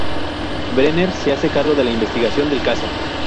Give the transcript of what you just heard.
Brenner se hace cargo de la investigación del caso.